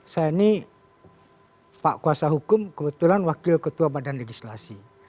saya ini pak kuasa hukum kebetulan wakil ketua badan legislasi